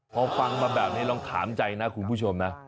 พอฟังมาแบบนี้ลองถามใจนะคุณผู้ชมนะ